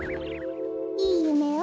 いいゆめを。